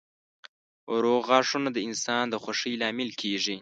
روغ غاښونه د انسان د خوښۍ لامل کېږي.